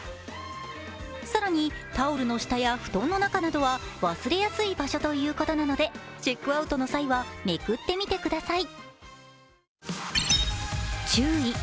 更にタオルの下や布団の中などは忘れやすい場所ということなのでチェックアウトの際はめくってみてください。